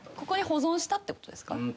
ここに保存したってことですか？